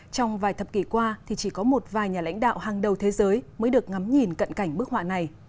trong vài thập kỷ qua thì chỉ có một vài nhà lãnh đạo hàng đầu thế giới mới được ngắm nhìn cận cảnh bức họa này